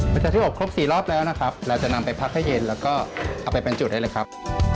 ประชาที่อบครบ๔รอบแล้วนะครับเราจะนำไปพักให้เย็นแล้วก็เอาไปเป็นจุดได้เลยครับ